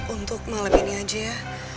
untuk malam ini aja ya